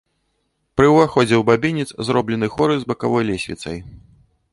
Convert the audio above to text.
Пры ўваходзе ў бабінец зроблены хоры з бакавой лесвіцай.